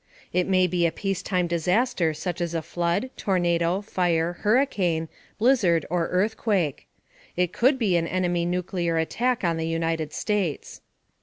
It may be a peacetime disaster such as a flood, tornado, fire, hurricane, blizzard or earthquake. It could be an enemy nuclear attack on the United States.